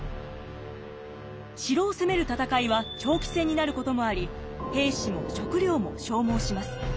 城を攻める戦いは長期戦になることもあり兵士も食糧も消耗します。